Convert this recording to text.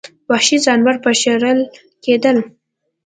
وحشي ځناور به شړل کېدل.